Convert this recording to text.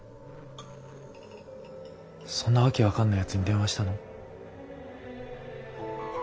そんな訳分かんないやつに電話したの？